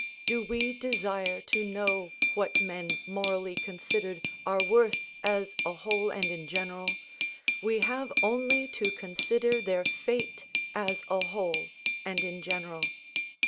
Do we desire to know what men, morally considered, are worth as a whole and in general, we have only to consider their fate as a whole and in general.